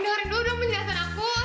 glenn lu udah menjelasin aku